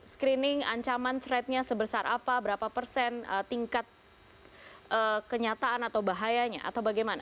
screening ancaman threatnya sebesar apa berapa persen tingkat kenyataan atau bahayanya atau bagaimana